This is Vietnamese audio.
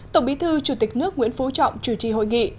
tổng bí thư chủ tịch nước nguyễn phú trọng chủ trì hội nghị